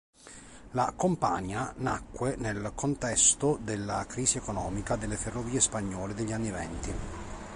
La "compañía" nacque nel contesto della crisi economica delle ferrovie spagnole degli anni venti.